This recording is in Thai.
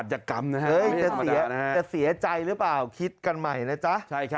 จะเสียใจหรือเปล่าคิดกันใหม่นะจ๊ะ